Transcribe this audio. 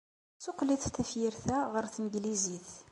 Ssuqlet tafyirt-a ɣer tneglizit.